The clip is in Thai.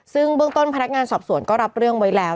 ซึ่งเบื้องต้นพนักงานสอบสวนก็รับเรื่องไว้แล้ว